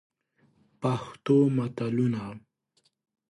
پښتو متلونه: